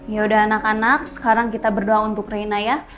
yaudah anak anak sekarang kita berdoa untuk reina ya